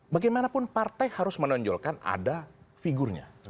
bagaimanapun partai harus menonjolkan ada figurnya